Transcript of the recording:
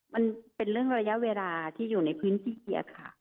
มันเป็นเรื่องระยะเวลาที่อยู่ในพื้นที่